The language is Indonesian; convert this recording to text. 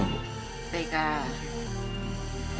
tika sd kelas kapan muda